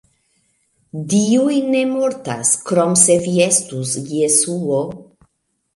Dioj ne mortas, krom se vi estus Jesuo.